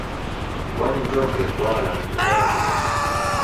mkoani Njombe Bwawa la Mto Nyange lenye